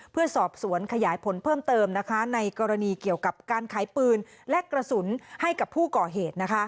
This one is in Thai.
เพื่อสอบสวนขยายผลเพิ่มเติมในกรณีเกี่ยวกับการขายปืนและกระสุนให้กับผู้ก่อเหตุ